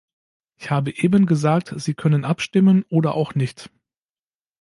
Ich habe eben gesagt, Sie können abstimmen oder auch nicht.